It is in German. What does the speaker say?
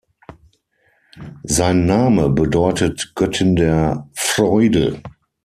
Sein Name bedeutet „Göttin der Freude“.